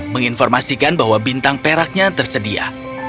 menginformasikan bahwa bintang peraknya tersedia